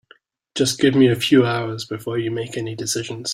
Just give me a few hours before you make any decisions.